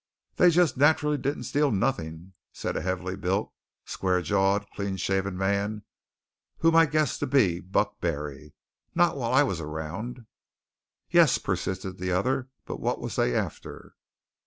"They just nat'rally didn't steal nothin'," said a heavy built, square jawed, clean shaven man whom I guessed to be Buck Barry. "Not while I was around." "Yes," persisted the other, "but what was they after."